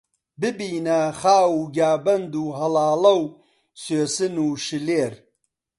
ببینە خاو و گیابەند و هەڵاڵە و سوێسن و شللێر